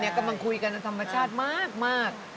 คราวนี้กำลังคุยกันโดยธรรมชาติมาก